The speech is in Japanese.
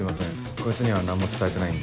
こいつには何も伝えてないんで。